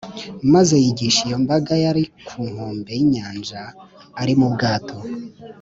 maze yigisha iyo mbaga yari ku nkombe y’inyanja ari mu bwato